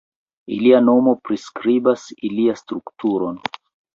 Ilia nomo priskribas ilian strukturon.